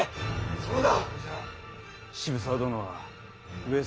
そうだ。